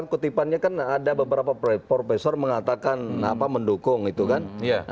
kutipannya kan ada beberapa profesor mengatakan mendukung itu kan